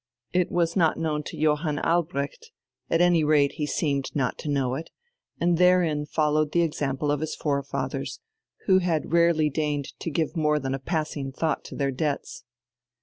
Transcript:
It was not known to Johann Albrecht; at any rate he seemed not to know it, and therein followed the example of his forefathers, who had rarely deigned to give more than a passing thought to their debts.